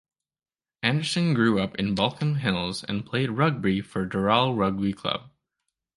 Anderson grew up in Baulkham Hills and played rugby for Dural rugby club.